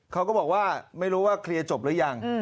เขาก็บอกว่าไม่รู้ว่าเคลียร์จบหรือยัง